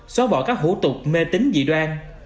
xóa bỏ các hữu tục mê tính dị đoan